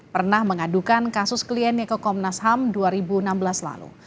pernah mengadukan kasus kliennya ke komnas ham dua ribu enam belas lalu